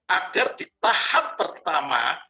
agar di tahap pertama